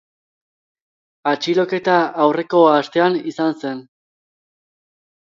Atxiloketa aurreko astean izan zen.